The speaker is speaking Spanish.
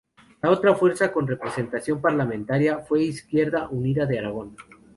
La otra fuerza con representación parlamentaria fue Izquierda Unida de Aragón.